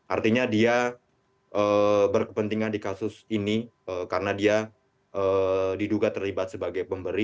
artinya dia berkepentingan di kasus ini karena dia diduga terlibat sebagai pemberi